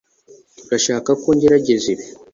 Urashaka ko ngerageza ibi